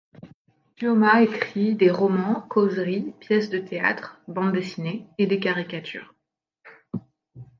Tuomas écrit des romans, causeries, pièces de théâtre, bandes dessinées et des caricatures.